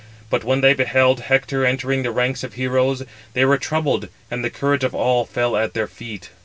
But when they beheld Hector entering the ranks of heroes, they were troubled, and the courage of all fell at their feet.